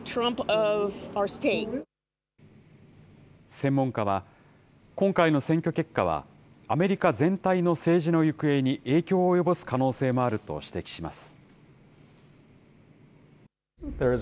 専門家は、今回の選挙結果は、アメリカ全体の政治の行方に影響を及ぼす可能性もあると指摘します。